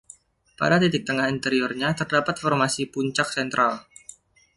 Pada titik tengah interiornya terdapat formasi puncak sentral.